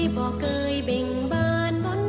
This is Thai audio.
ต้องนั้นบ้านอยู่บนยอดด้อย